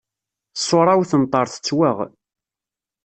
Ṣṣura-w tenṭer tettwaɣ.